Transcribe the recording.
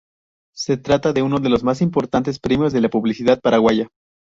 Se trata de uno de los más importantes premios de la publicidad paraguaya.